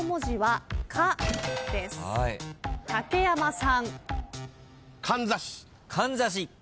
竹山さん。